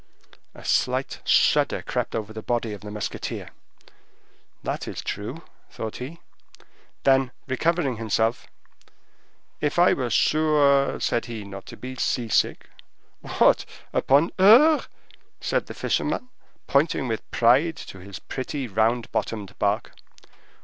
A slight shudder crept over the body of the musketeer. "That is true," thought he. Then recovering himself, "If I were sure," said he, "not to be sea sick." "What, upon her?" said the fisherman, pointing with pride to his pretty round bottomed bark.